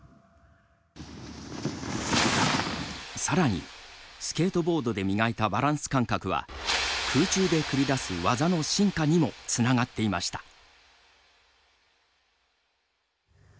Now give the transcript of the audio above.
さらにスケートボードで磨いたバランス感覚は空中で繰り出す技の進化にもつながっていました。